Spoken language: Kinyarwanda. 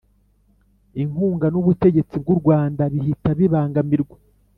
inkunga n'ubutegetsi bw'u rwanda bihita bibangamirwa